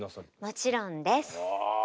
もちろんです。